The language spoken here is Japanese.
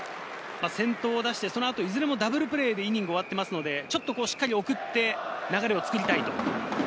先頭は出して、そのあとはいずれもダブルプレーでイニングを終わっているので、ちゃんと流れを作りたいと。